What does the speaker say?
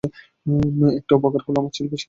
একটা উপকার করো, আমার পেছনে লাগা থামাও, ঠিক আছে?